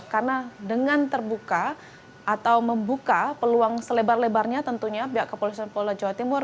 karena dengan terbuka atau membuka peluang selebar lebarnya tentunya pihak kepolisian pola jawa timur